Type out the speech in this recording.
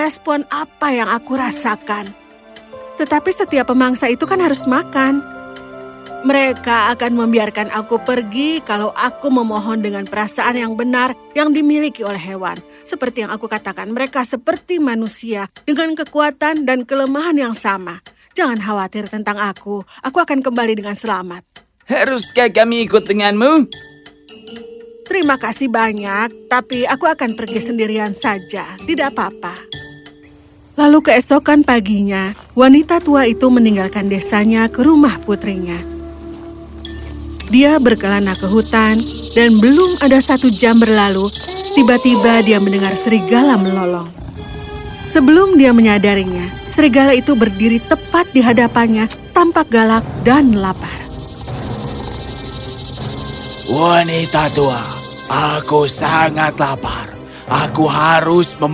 serigalaku tersayang aku sangat menyesal mendengar bahwa kau lapar